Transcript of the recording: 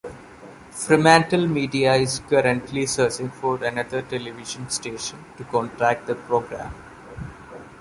FremantleMedia is currently searching for another television station to contract the programme.